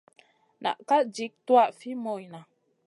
Na ka jik tuwaʼa fi moyna.